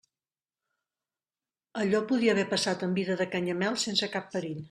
Allò podia haver passat en vida de Canyamel sense cap perill.